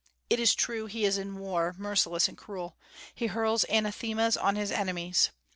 It is true he is in war merciless and cruel; he hurls anathemas on his enemies.